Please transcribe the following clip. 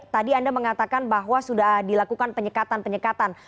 tadi anda mengatakan bahwa sudah dilakukan penyekatan penyekatan